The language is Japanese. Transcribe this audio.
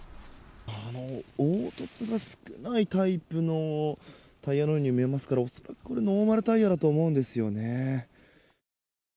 凹凸が少ないタイプのタイヤのように見えますから恐らくノーマルタイヤだと思うんですよね。